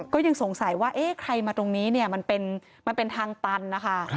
ก็ยังสงสัยว่าเอ๊ะใครมาตรงนี้เนี่ยมันเป็นทางตันนะคะ